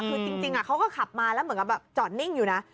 คือจริงเขาก็ขับมาแล้วเหมือนกับแบบจอดนิ่งอยู่นะ